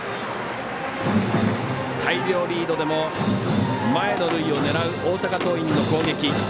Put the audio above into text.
大量リードでも前の塁を狙う大阪桐蔭の攻撃。